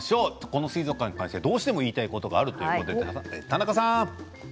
この水族館に関してどうしても言いたいことがあるということです。